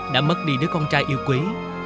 đã mất đi đứa con trai yêu quý